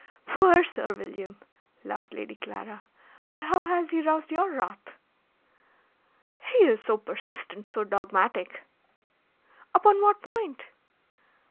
"Poor Sir William!" laughed Lady Clara. "But how has he roused your wrath?" "He is so persistent so dogmatic." "Upon what point?"